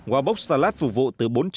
wabox salad phục vụ từ bốn trăm linh